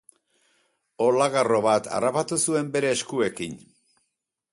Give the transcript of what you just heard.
Olagarro bat harrapatu zuen bere eskuekin.